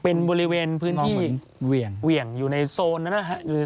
เป็นบริเวณพื้นที่เหวี่ยงอยู่ในโซนนั้นนะครับ